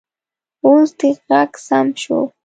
اوس دې غږ سم شو